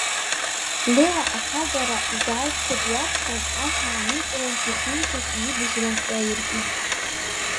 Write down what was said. Леуа ахагара изаазшәа дҩаҵҟьан, ашә ааникылан, ишимчыз иҩыдыжьлан иаиркит.